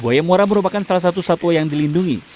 buaya muara merupakan salah satu satwa yang dilindungi